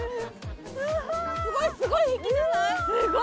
すごいすごい引きじゃない？